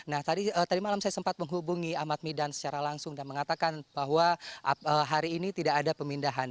nah tadi malam saya sempat menghubungi ahmad midan secara langsung dan mengatakan bahwa hari ini tidak ada pemindahan